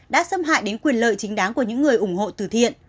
đã xâm hại đến quyền lợi chính đáng của những người ủng hộ từ thiện